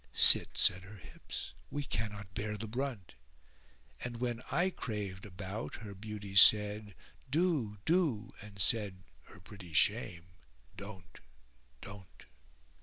* "Sit!" said her hips, "we cannot bear the brunt!" And when I craved a bout, her Beauty said * "Do, do!" and said her pretty shame, "Don't, don't!"